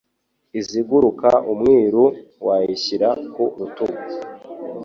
Izigurukana Umwiru, Wayishyira ku rutugu